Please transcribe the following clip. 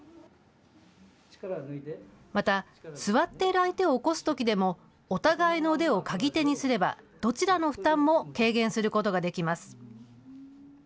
また、座っている相手を起こすときでも、お互いの腕を鈎手にすればどちらの負担も軽減することができます。